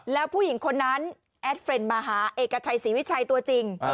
แล้วผู้หญิงคนนั้นแอดเฟรนด์มาหาเอกชัยศรีวิชัยตัวจริง